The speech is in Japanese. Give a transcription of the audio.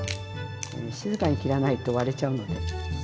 静かに切らないと割れちゃうので。